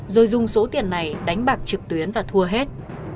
rồi dùng số tiền này đánh bạc trực tuyến và thua hết